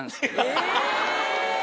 え！